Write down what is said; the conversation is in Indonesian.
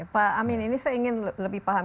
pak amin ini saya ingin lebih paham